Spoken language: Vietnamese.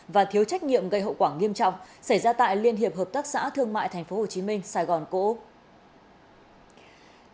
và thiếu trách nhiệm gây hậu quả nghiêm trọng xảy ra tại liên hiệp hợp tác xã thương mại tp hcm sài gòn cổ úc